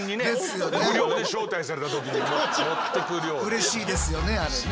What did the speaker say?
うれしいですよねあれね。